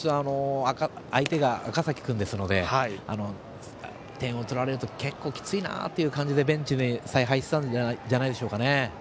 相手が赤嵜君ですので点を取られると結構、きついなという感じで采配したんじゃないでしょうか。